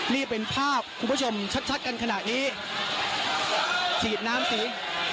นี่เป็นภาพคุณผู้ชมชัดกันขณะนี้ฉีดน้ำเสียง